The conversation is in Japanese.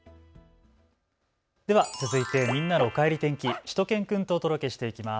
では続いてみんなのおかえり天気、しゅと犬くんとお届けしていきます。